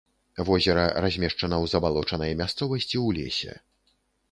Возера размешчана ў забалочанай мясцовасці ў лесе.